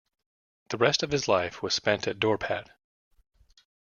The rest of his life was spent at Dorpat.